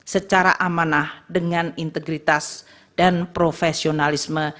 secara amanah dengan integritas dan profesionalisme